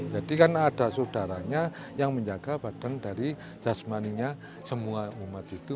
karena ada saudaranya yang menjaga badan dari jasmaninya semua umat itu